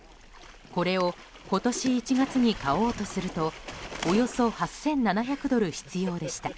これを今年１月に買おうとするとおよそ８７００ドル必要でした。